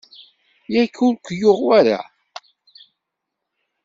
Yak ur k-yuɣ wara?